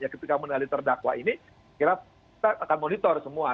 ketika menali terdakwa ini kita akan monitor semua